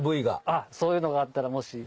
あっそういうのがあったらもし。